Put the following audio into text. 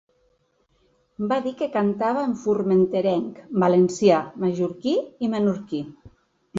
Va dir que cantava en formenterenc, valencià, mallorquí i menorquí.